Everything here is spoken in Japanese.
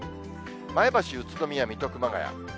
前橋、宇都宮、水戸、熊谷。